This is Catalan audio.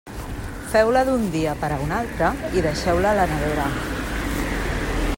Feu-la d'un dia per a un altre i deixeu-la a la nevera.